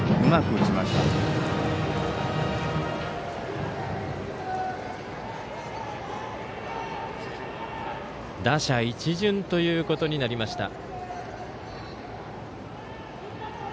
打者一巡ということになりました。